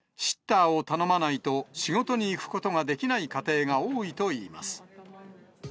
シッターを頼まないと、仕事に行くことができない家庭が多いといいます。